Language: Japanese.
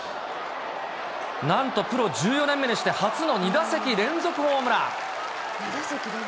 なんとプロ１４年目にして、初の２打席連続ホームラン。